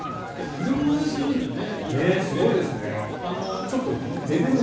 なんでもまねするんだね